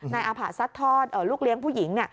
อาผะซัดทอดลูกเลี้ยงผู้หญิง